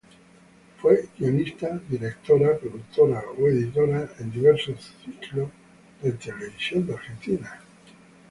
Fue guionista, director, productor o editor en diversos ciclos de televisión de Argentina.